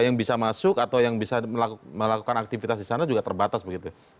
yang bisa masuk atau yang bisa melakukan aktivitas disana juga terbatas begitu ya